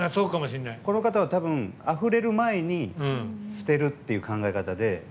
この方は、たぶんあふれる前に捨てるっていう考え方で。